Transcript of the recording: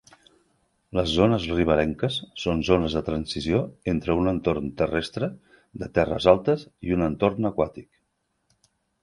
Les zones riberenques són zones de transició entre un entorn terrestre de terres altes i un entorn aquàtic.